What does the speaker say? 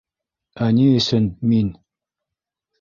Ә ни өсөн... мин?!